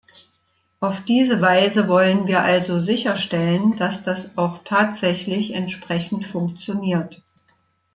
Auf diese Weise wollen wir also sicherstellen, dass das auch tatsächlich entsprechend funktioniert.